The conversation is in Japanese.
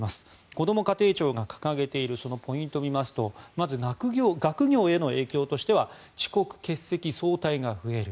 こども家庭庁が掲げているポイントを見てみますとまず学業への影響としては遅刻、欠席、早退が増える。